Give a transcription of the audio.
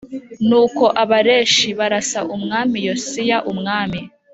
Nuko Abarashi e barasa Umwami Yosiya umwami